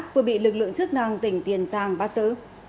vừa bị lực lượng chức năng tỉnh tiền giang bắt giữ